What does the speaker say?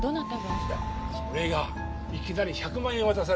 いやそれがいきなり１００万円渡されて。